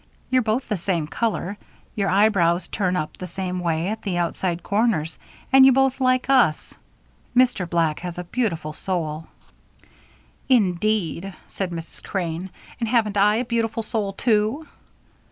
You're both the same color, your eyebrows turn up the same way at the outside corners, and you both like us. Mr. Black has a beautiful soul." "Indeed," said Mrs. Crane. "And haven't I a beautiful soul too?"